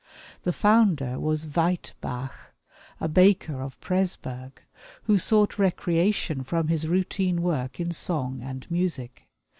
The founder was Weit Bach, a baker of Presburg, who sought recreation from his routine work in song and music.